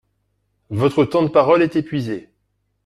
Votre temps de parole est épuisé.